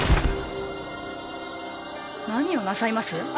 何をなさいます！